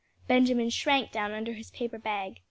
Benjamin shrank down under his paper bag.